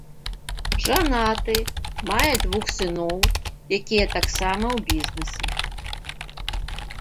Жанаты, мае двух сыноў, якія таксама ў бізнэсе.